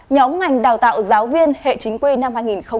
nhóm ngành đào tạo giáo viên hệ chính quy năm hai nghìn một mươi bảy